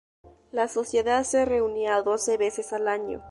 La Sociedad se reunía doce veces al año.